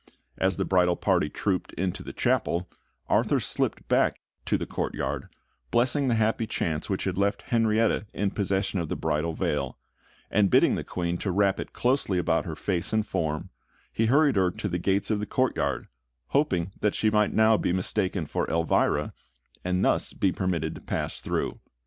As the bridal party trooped into the chapel, Arthur slipped back to the courtyard, blessing the happy chance which had left Henrietta in possession of the bridal veil; and bidding the Queen to wrap it closely about her face and form, he hurried her to the gates of the courtyard, hoping that she might now be mistaken for Elvira, and be thus permitted to pass through.